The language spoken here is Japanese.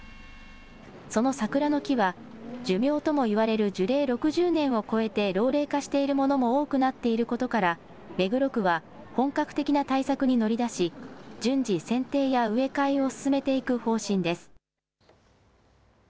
その桜の木は寿命とも言われる樹齢６０年を超えて老齢化しているものも多くなっていることから目黒区は本格的な対策に乗り出し順次、せんていや植え替えを進めていく方針です。